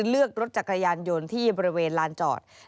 เลือกรถจักรยานยนต์ที่บริเวณลานจอด